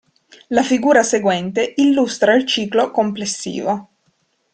La figura seguente illustra il ciclo complessivo.